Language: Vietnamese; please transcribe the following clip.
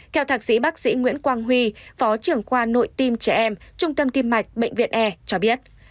theo thạc sĩ bác sĩ nguyễn quang huy phó trưởng khoa nội tim trẻ em trung tâm tim mạch bệnh viện e cho biết